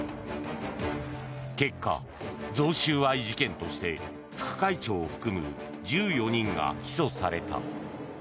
結果、贈収賄事件として副会長を含む１４人が起訴された。